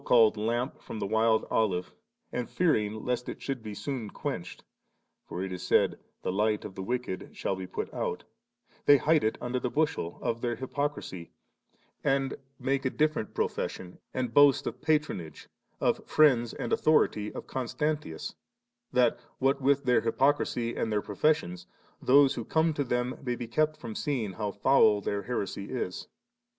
so called lamp from the wild olive, and fear ing lest it should soon be quenched (for it 18 said, * the light of the wicked shall be put out \^ they hide it under the bushel • of their hypocrisy, and make a different profession, and boast of patronage of friends and authority of Constantius, that what with their h3rpocrisy and their professions, those who come to them may be kept from seeing how foul their here^ ia.